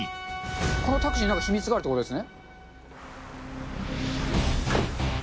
このタクシーになんか秘密があるってことですね？